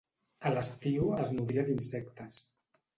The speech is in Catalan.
A l'estiu es nodria d'insectes.